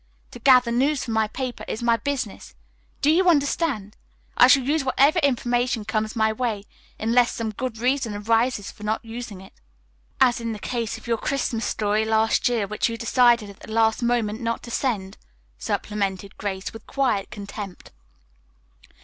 To gather news for my paper is my business. Do you understand? I shall use whatever information comes my way, unless some good reason arises for not using it." "As in the case of your Christmas story last year, which you decided at the last moment not to send," supplemented Grace with quiet contempt.